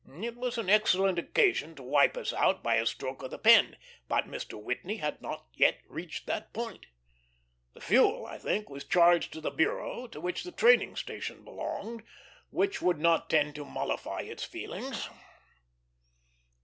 It was an excellent occasion to wipe us out by a stroke of the pen, but Mr. Whitney had not yet reached that point. The fuel, I think, was charged to the bureau to which the Training Station belonged, which would not tend to mollify its feelings.